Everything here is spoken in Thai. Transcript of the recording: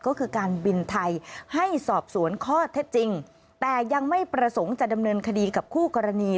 ก็คือการบินไทยให้สอบสวนข้อเท็จจริงแต่ยังไม่ประสงค์จะดำเนินคดีกับคู่กรณี